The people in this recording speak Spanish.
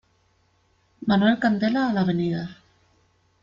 Manuel Candela a la Av.